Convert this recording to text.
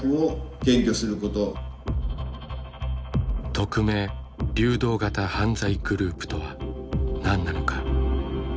匿名・流動型犯罪グループとは何なのか。